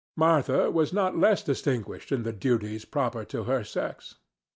Martha was not less distinguished in the duties proper to her sex.